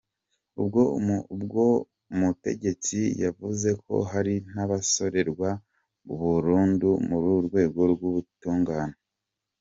Uwo mutegetsi yavuze ko hari n'abazosererwa burundu mu rwego rw'ubutungane.